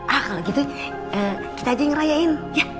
ah kalo gitu kita aja ngerayain ya